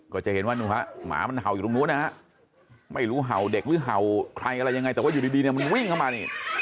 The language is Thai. ก็จะเห็นว่าเนื้อมหมามันเห่าอยู่ทุกนู้นนะฮะไม่รู้เห่าเด็กหึ้นเห่าใครอะไรยังไงแต่ว่าอยู่ดีมัน